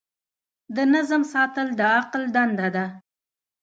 د نظم ساتل د عقل دنده ده.